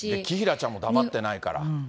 紀平ちゃんも黙ってないから。